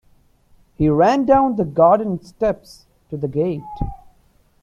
He ran down the garden steps to the gate.